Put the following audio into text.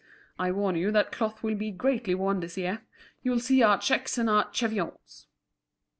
I warn you that cloth will be greatly worn this year; you'll see our checks and our cheviots."